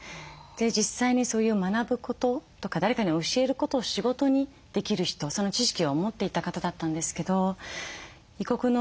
実際にそういう学ぶこととか誰かに教えることを仕事にできる人その知識を持っていた方だったんですけど異国の